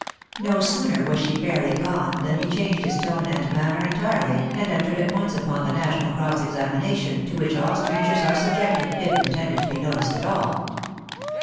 No sooner was she fairly gone than he changed his tone and manner entirely, and entered at once upon the national cross examination, to which all strangers are subjected, if intended to be noticed at all.